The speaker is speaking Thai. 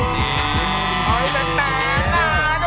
แปดแปดนะ